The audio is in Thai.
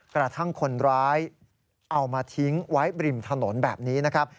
กระทั่งคนร้ายเอามาทิ้งไว้บริมถนนแบบนี้นะครับ